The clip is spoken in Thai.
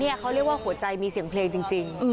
เขาเรียกว่าหัวใจมีเสียงเพลงจริง